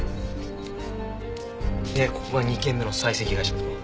でここが２件目の採石会社だろ。